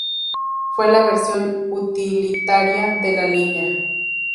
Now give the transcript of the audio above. Fue la versión utilitaria de la línea.